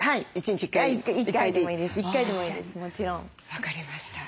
分かりました。